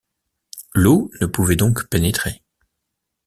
L’eau ne pouvait donc pénétrer.